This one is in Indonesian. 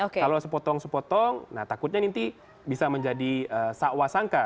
kalau sepotong sepotong nah takutnya nanti bisa menjadi sakwa sangka